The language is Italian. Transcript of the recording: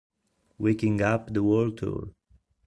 Waking Up the World Tour